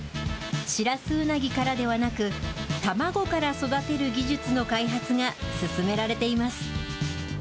シラスウナギからではなく、卵から育てる技術の開発が進められています。